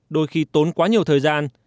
đôi khi tốn quá nhiều thời gian